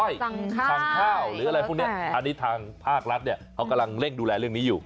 สั่งข้าวสั่งข้าวหรืออะไรพวกนี้อันนี้ทางภาครัฐเนี่ยเขากำลังเร่งดูแลเรื่องนี้อยู่